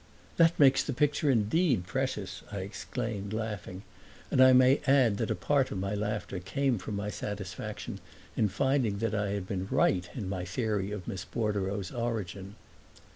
"That makes the picture indeed precious!" I exclaimed, laughing; and I may add that a part of my laughter came from my satisfaction in finding that I had been right in my theory of Miss Bordereau's origin.